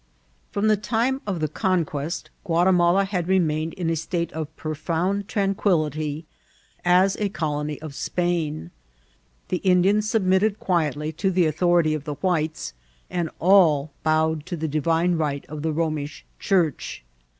From the time of the conquest Guatimala had re mained in a state of profound tranquillity as a colony of Spain. The Indians submitted quietly to the author ity of the whites, and all bowed to the divine right of the Romish Church.